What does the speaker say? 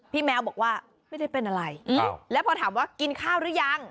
แมวบอกว่าไม่ได้เป็นอะไรแล้วพอถามว่ากินข้าวหรือยัง